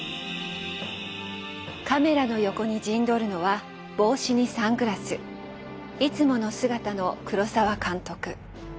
カメラの横に陣取るのは帽子にサングラスいつもの姿の黒澤監督。